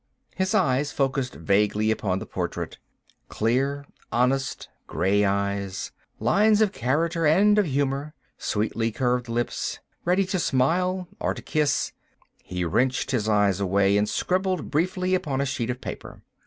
His eyes focussed vaguely upon the portrait. Clear, honest gray eyes ... lines of character and of humor ... sweetly curved lips, ready to smile or to kiss.... He wrenched his eyes away and scribbled briefly upon a sheet of paper.